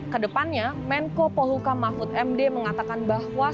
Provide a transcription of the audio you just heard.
kedepannya menko polhuka mahfud md mengatakan bahwa